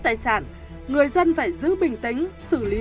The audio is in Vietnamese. tài sản người dân phải giữ bình tĩnh xử lý